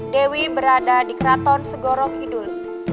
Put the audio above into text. dewi berada di keraton segoro kidul